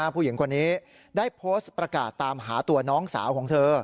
ผู้หญิงคนนี้ได้โพสต์ประกาศตามหาตัวน้องสาวของเธอ